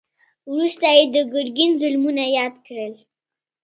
وروسته يې د ګرګين ظلمونه ياد کړل.